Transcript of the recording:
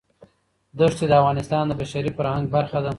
دښتې د افغانستان د بشري فرهنګ برخه ده.